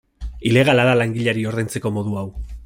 Ilegala da langileari ordaintzeko modu hau.